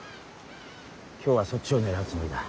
今日はそっちを狙うつもりだ。